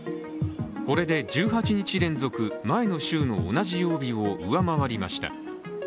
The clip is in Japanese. これで１８日連続前の週の同じ曜日を上回りました。